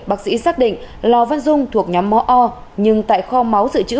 bác sĩ xác định lò văn dung thuộc nhóm mó o nhưng tại kho máu dự trữ